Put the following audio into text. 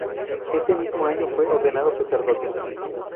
Ese mismo año fue ordenado sacerdote.